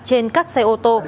trên các xe ô tô